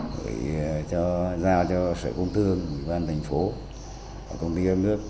gửi cho giao cho sở công thương ủy ban thành phố công ty ơn nước